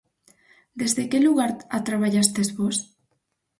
Desde que lugar a traballastes vós?